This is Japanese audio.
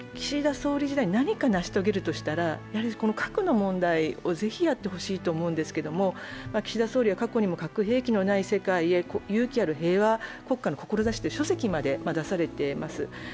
総理時代に何か成し遂げるとしたら核の問題をぜひ、やってほしいと思うんですけど、岸田総理は過去にも核兵器のない世界へという書籍まで出されています。